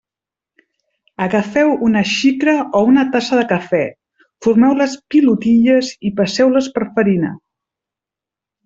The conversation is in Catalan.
Agafeu una xicra o una tassa de cafè, formeu les pilotilles i passeu-les per farina.